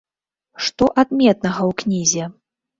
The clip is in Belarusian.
Што адметнага ў кнізе?